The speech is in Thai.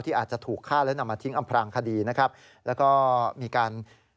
ที่อาจถูกฆ่าแล้วนำมาทิ้งอำพรางคดีและก็มีการ